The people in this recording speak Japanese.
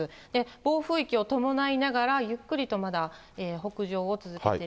暴風域を伴いながら、ゆっくりとまだ北上を続けている。